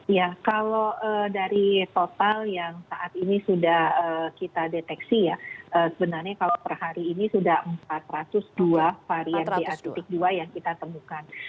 ya kalau dari total yang saat ini sudah kita deteksi ya sebenarnya kalau per hari ini sudah empat ratus dua varian ba dua yang kita temukan